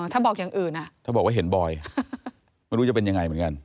ถ้าบอกอย่างอื่นถ้าบอกว่าเห็นบอยไม่รู้จะเป็นยังไงเหมือนกัน